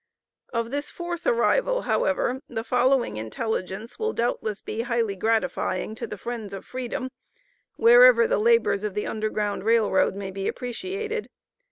Of this fourth arrival, however, the following intelligence will doubtless be highly gratifying to the friends of freedom, wherever the labors of the Underground Rail Road may be appreciated.